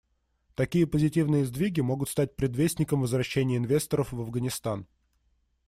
Такие позитивные сдвиги могут стать предвестником возвращения инвесторов в Афганистан.